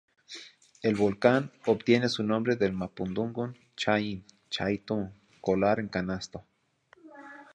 El volcán obtiene su nombre del mapudungun "chain"-"chaitun"", "colar en canasto".